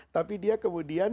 tapi dia kemudian